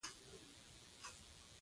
د لبنیاتو کیفیت له تغذيې سره تړاو لري.